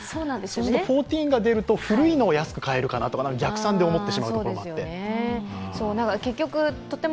１４が出ると古いのが安く買えるかなと逆算で思ってしまうところもあって。